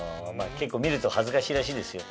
結構見ると恥ずかしいらしいですよ。